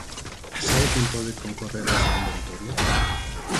¿Sabe quen pode concorrer a esa convocatoria?